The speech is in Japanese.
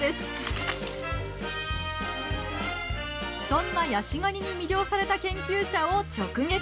そんなヤシガニに魅了された研究者を直撃！